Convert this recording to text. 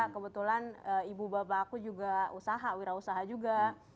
kebetulan ibu bapak aku juga usaha wirausaha juga